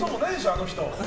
あの人。